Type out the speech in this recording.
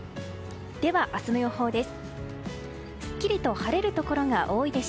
では、明日の予報です。